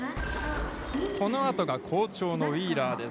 このあとが好調のウィーラーです。